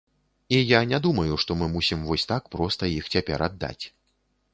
І я не думаю, што мы мусім вось так проста іх цяпер аддаць.